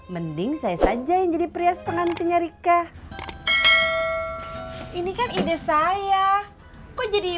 mestinya bisa kau atur lagi